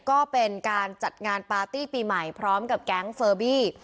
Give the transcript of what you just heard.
ก็เป็นการจัดงานปาร์ตี้ปีใหม่พร้อมกับแก๊งเฟอร์บี้